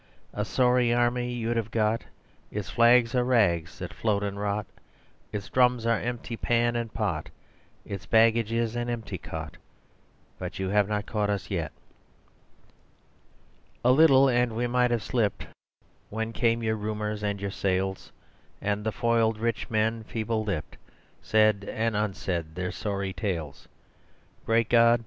A sorry army you'd have got, Its flags are rags that float and rot, Its drums are empty pan and pot, Its baggage is an empty cot; But you have not caught us yet. A little; and we might have slipped When came your rumours and your sales And the foiled rich men, feeble lipped, Said and unsaid their sorry tales; Great God!